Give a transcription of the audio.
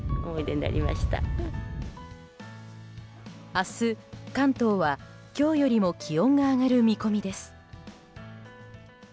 明日、関東は今日よりも気温が上がる見込みです。